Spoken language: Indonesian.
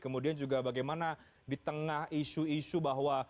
kemudian juga bagaimana di tengah isu isu bahwa